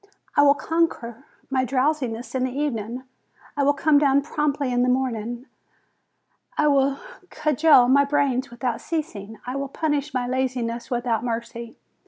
I will conquer my drowsiness in the evening, I will come down promptly in the morning, I will cudgel my brains without ceasing, I will punish my laziness without mercy.